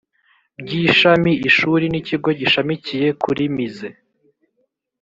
by ishami ishuri n ikigo gishamikiye kuri mize